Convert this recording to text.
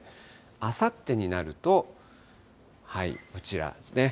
あさってになると、こちらですね。